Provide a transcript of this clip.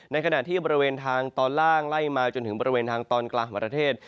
ในขณะที่บริเวณทางตอนล่างไล่มาจนถึงบริเวณทางตอนกลางของประเทศ